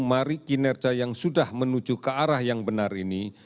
mari kinerja yang sudah menuju ke arah yang benar ini